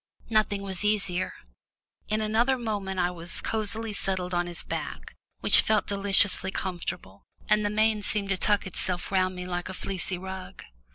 Nothing was easier. In another moment I was cosily settled on his back, which felt deliciously comfortable, and the mane seemed to tuck itself round me like a fleecy rug.